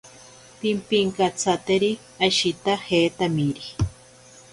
Pimpinkatsateri ashitajetamiri.